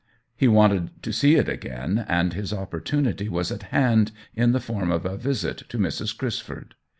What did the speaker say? He wanted to see it again, and his opportunity was at hand in the form of a visit to Mrs. Crisford.